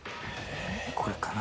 これかな？